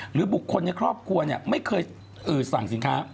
หรือบุคคลในครอบครัวไม่เคยสั่งสินค้า